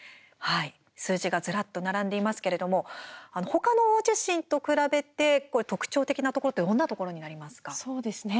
数字がずらっと並んでいますけれども他の大地震と比べて特徴的なところってどんなところになりますか。